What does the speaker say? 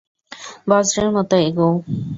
বজ্রের মতো এগোও!